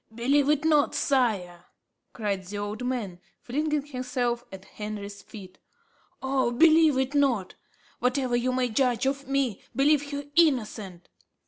"Believe it not, sire," cried the old man, flinging himself at Henry's feet; "oh, believe it not. Whatever you may judge of me, believe her innocent.